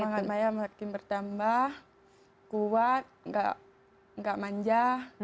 semangat maya makin bertambah kuat gak manja